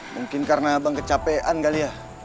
mungkin karena abang kecapean kali ya